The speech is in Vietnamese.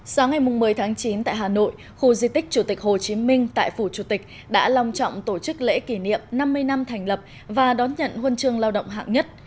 sáng ngày một mươi tháng chín tại hà nội khu di tích chủ tịch hồ chí minh tại phủ chủ tịch đã long trọng tổ chức lễ kỷ niệm năm mươi năm thành lập và đón nhận huân chương lao động hạng nhất